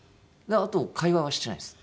あと会話はしてないです。